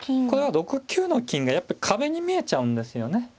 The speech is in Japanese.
これは６九の金がやっぱり壁に見えちゃうんですよね。